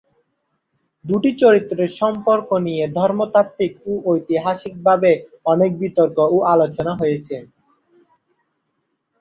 দুটি চরিত্রের সম্পর্ক নিয়ে ধর্মতাত্ত্বিক ও ঐতিহাসিকভাবে অনেক বিতর্ক ও আলোচনা হয়েছে।